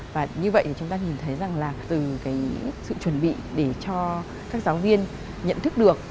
và như vậy thì chúng ta nhìn thấy rằng là từ cái sự chuẩn bị để cho các giáo viên nhận thức được